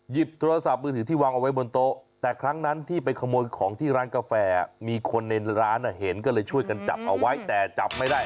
โทรศัพท์มือถือที่วางเอาไว้บนโต๊ะแต่ครั้งนั้นที่ไปขโมยของที่ร้านกาแฟมีคนในร้านเห็นก็เลยช่วยกันจับเอาไว้แต่จับไม่ได้